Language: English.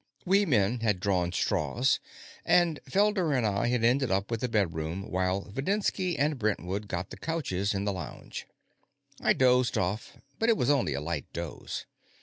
We men had drawn straws, and Felder and I had ended up with the bedroom while Videnski and Brentwood got the couches in the lounge. I dozed off, but it was only a light doze.